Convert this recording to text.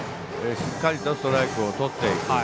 しっかりとストライクをとっていく。